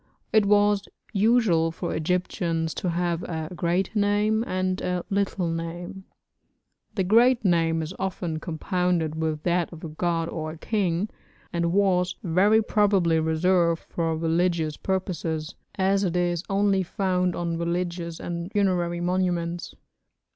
It was usual for Egyptians to have a 'great name' and a 'little name'; the great name is often compounded with that of a god or a king, and was very probably reserved for religious purposes, as it is only found on religious and funerary monuments.